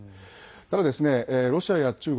ただ、ロシアや中国